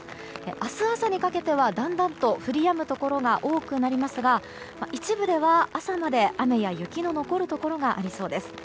明日朝にかけては、だんだんと降りやむところが多くなりますが一部では朝まで雨や雪の残るところがありそうです。